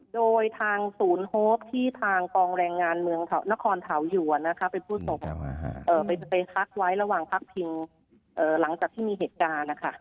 โดยทางศูนย์โฮปที่ทางกองแรงงานเมืองนครเถาอยู่เป็นผู้ส่งไปพักไว้ระหว่างพักพิงหลังจากที่มีเหตุการณ์นะคะ